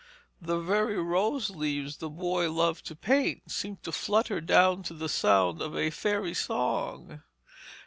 The very rose leaves the boy loved to paint, seemed to flutter down to the sound of a fairy song.